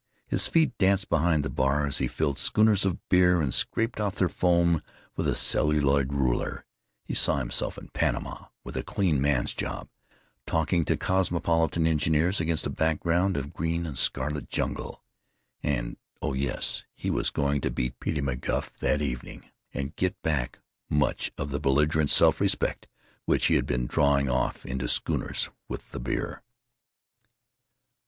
His feet danced behind the bar as he filled schooners of beer and scraped off their foam with a celluloid ruler. He saw himself in Panama, with a clean man's job, talking to cosmopolitan engineers against a background of green and scarlet jungle. And, oh yes, he was going to beat Petey McGuff that evening, and get back much of the belligerent self respect which he had been drawing off into schooners with the beer.